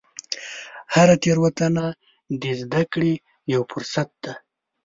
هره تېروتنه د زده کړې یو فرصت دی.